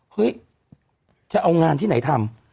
เฮ้ยจะเอางานที่ไหนทำ